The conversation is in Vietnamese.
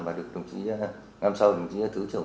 và được đồng chí ngăn sau đồng chí thủ trưởng